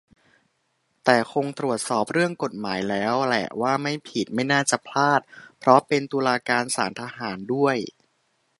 แต่คงตรวจสอบเรื่องกฎหมายแล้วแหละว่าไม่ผิด ไม่น่าจะพลาด เพราะเป็นตุลาการศาลทหารด้วย